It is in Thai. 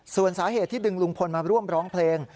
ส่วนสาเหตุที่ดึงลุงพลมาร่วมร้องเพลง